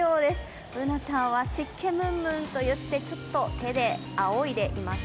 Ｂｏｏｎａちゃんは湿気ムンムンといって、ちょっと手であおいでいます。